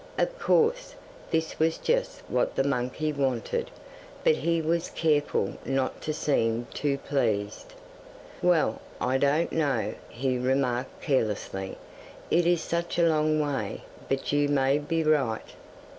Of course, this was just what the monkey wanted, but he was careful not to seem too pleased. 'Well, I don't know,' he remarked carelessly, 'it is such a long way; but you may be right.